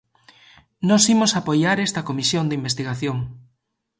Nós imos apoiar esta comisión de investigación.